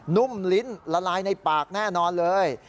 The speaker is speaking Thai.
นุ่มลิ้นละลายในปากแน่นอนเลย